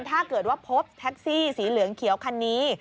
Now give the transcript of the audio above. ถ้าเกิดว่าพบแท็กซี่สีเหลืองเขียวคันนี้